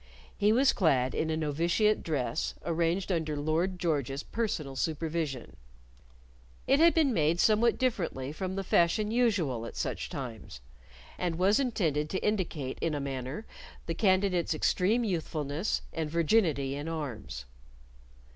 He was clad in a novitiate dress, arranged under Lord George's personal supervision. It had been made somewhat differently from the fashion usual at such times, and was intended to indicate in a manner the candidate's extreme youthfulness and virginity in arms.